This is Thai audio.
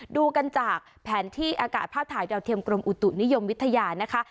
ดูกันจากแผนที่อากาศภาพถ่ายดาวเทียมกรมอุตุนิยมวิทยานะคะ